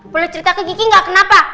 boleh cerita ke kiki gak kenapa